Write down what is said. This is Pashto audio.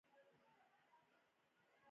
افغانستان د ښتې د پلوه ځانته ځانګړتیا لري.